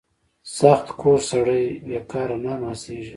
• سختکوش سړی بېکاره نه ناستېږي.